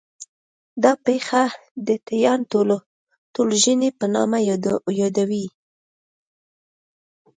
دا پېښه د 'تیان ټولوژنې' په نامه یادوي.